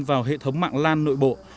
vào hệ thống mạng lan nội bộ